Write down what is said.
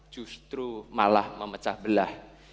justru malah memecah belah